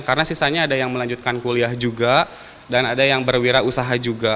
karena sisanya ada yang melanjutkan kuliah juga dan ada yang berwirausaha juga